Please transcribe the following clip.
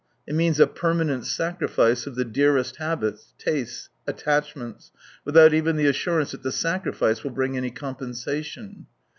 It means a permanent sacrifice of the dearest habits, tastes, attachments, without even the assur ance that the sacrifice will bring any com pensation.